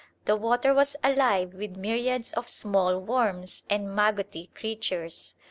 The water was alive with myriads of small worms and magotty creatures!